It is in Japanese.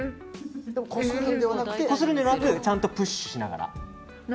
こするのではなくちゃんとプッシュしながら。